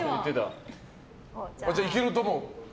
じゃあいけると思う？